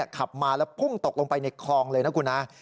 ขับมาแล้วพุ่งตกลงไปในคลองเลยนะคุณนะ